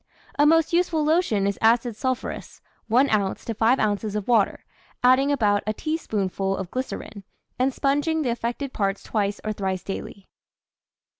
A most useful lotion is acid sulphurous, 1 oz. to 5 oz. of water, adding about a teaspoonful of glycerine, and sponging the affected parts twice or thrice daily.